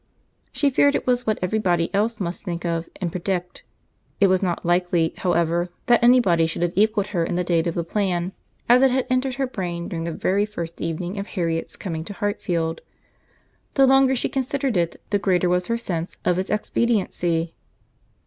She feared it was what every body else must think of and predict. It was not likely, however, that any body should have equalled her in the date of the plan, as it had entered her brain during the very first evening of Harriet's coming to Hartfield. The longer she considered it, the greater was her sense of its expediency.